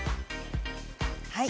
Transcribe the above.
はい。